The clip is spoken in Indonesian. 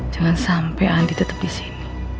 jangan sampai andi tetap di sini